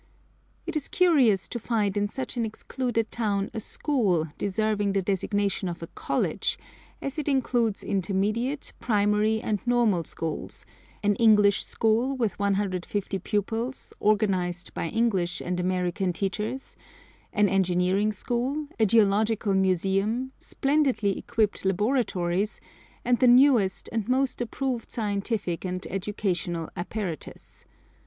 It is curious to find in such an excluded town a school deserving the designation of a college, as it includes intermediate, primary, and normal schools, an English school with 150 pupils, organised by English and American teachers, an engineering school, a geological museum, splendidly equipped laboratories, and the newest and most approved scientific and educational apparatus.